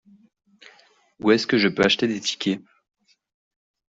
Où est-ce que je peux acheter des tickets ?